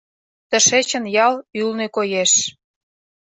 Тышечын ял ӱлнӧ коеш.